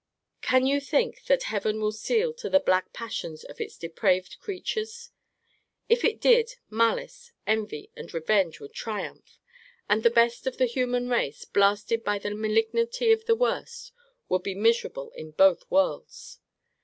Can you think that Heaven will seal to the black passions of its depraved creatures? If it did, malice, envy, and revenge would triumph; and the best of the human race, blasted by the malignity of the worst, would be miserable in both worlds.